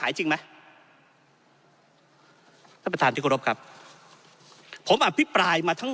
จริงไหมท่านประธานที่กรบครับผมอภิปรายมาทั้ง